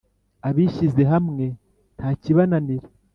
“Abishyize hamwe nta kibananira”.